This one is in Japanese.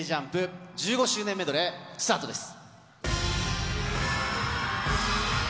１５周年メドレースタートです。